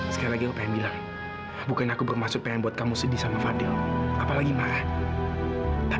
sampai jumpa di video selanjutnya